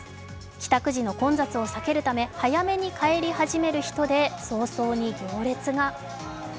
帰宅時の混雑を避けるため早めに帰り始める人で早々に行列が。